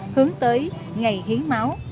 hướng tới ngày hiến máu